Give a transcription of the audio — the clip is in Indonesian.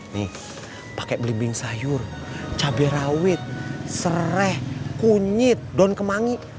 nih pakai belimbing sayur cabai rawit serai kunyit daun kemangi